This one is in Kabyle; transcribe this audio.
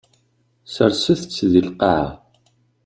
Serset-t deg lqaɛa.